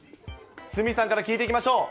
鷲見さんから聞いていきましょう。